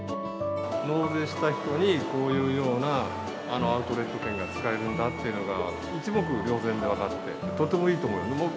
納税した人にこういうようなアウトレット券が使えるんだっていうのが一目瞭然で分かって、とてもいいと思う。